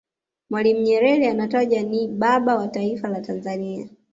mwalimu nyerere anatajwa ni baba wa taifa la tanzania